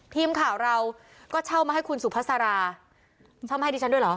ทีมข่าวเราก็เช่ามาให้คุณสุภาษาราเช่าให้ดิฉันด้วยเหรอ